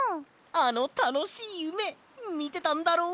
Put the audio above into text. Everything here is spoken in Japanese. あのたのしいゆめみてたんだろ？